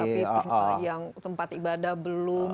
tapi yang tempat ibadah belum